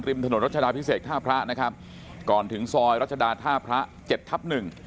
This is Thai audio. ริมถนนราชดาพิกษกษ์ท่าพระนะครับก่อนถึงซอยราชดาท่าพระ๗ทับ๑